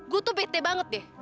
gue tuh bete banget deh